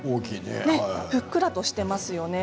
ふっくらしていますよね。